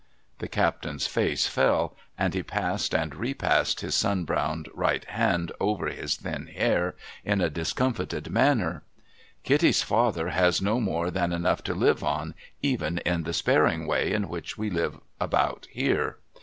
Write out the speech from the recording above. ']'hc captain's face fell, and he passed and repassed his sun browned right hand over his thin hair, in a discomfited manner. ' Kitty's father has no more than enough to live on, even in the sparing way in which we live about here.